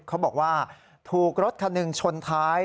เขาบอกว่าถูกรถคันหนึ่งชนท้าย